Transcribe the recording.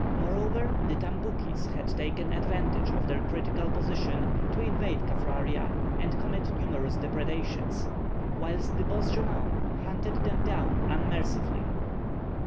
Moreover the Tamboukis had taken advantage of their critical position to invade Kaffraria and commit numerous depredations, whilst the Bosjemans hunted them down unmercifully.